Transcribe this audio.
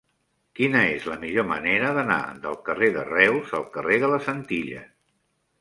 Quina és la millor manera d'anar del carrer de Reus al carrer de les Antilles?